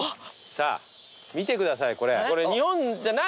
さあ見てくださいこれ。